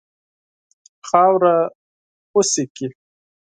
خاوره خوشي کړي.